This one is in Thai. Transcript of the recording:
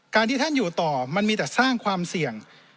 ที่ท่านอยู่ต่อมันมีแต่สร้างความเสี่ยง